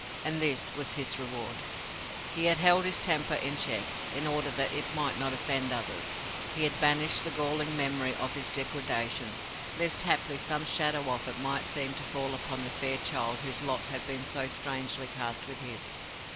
And this was his reward! He had held his temper in check, in order that it might not offend others. He had banished the galling memory of his degradation, lest haply some shadow of it might seem to fall upon the fair child whose lot had been so strangely cast with his.